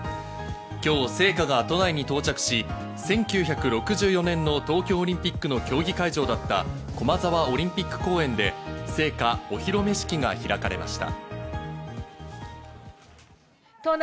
今日、聖火が都内に到着し、１９６４年の東京オリンピックの競技会場だった駒沢オリンピック公園で聖火お披露目式が開かれました。